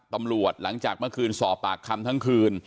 หลังจากเมื่อคืนสอบปากคำทั้งคืน